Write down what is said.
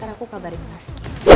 karena aku kabarin mas